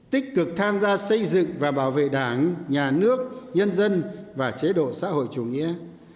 tích cực tham gia xây dựng và bảo vệ đảng nhà nước nhân dân và chế độ xã hội chủ nghĩa